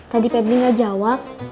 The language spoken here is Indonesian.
tadi pebri gak jawab